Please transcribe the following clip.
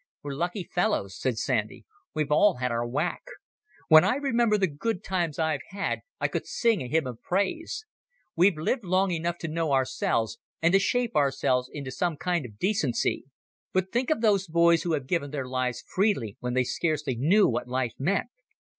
"We're lucky fellows," said Sandy; "we've all had our whack. When I remember the good times I've had I could sing a hymn of praise. We've lived long enough to know ourselves, and to shape ourselves into some kind of decency. But think of those boys who have given their lives freely when they scarcely knew what life meant.